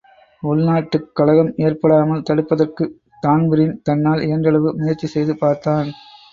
உள்நாட்டுக் கலகம் ஏற்படாமல் தடுப்பதற்குத் தான்பிரீன் தன்னால் இயன்றளவு முயற்சிசெய்து பார்த்தான்.